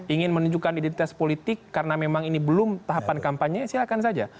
ingin menunjukkan identitas politik karena memang ini belum tahapan kampanye silahkan saja